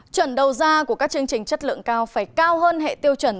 chuẩn đầu ra của các chương trình chất lượng cao phải cao hơn hệ tiêu chuẩn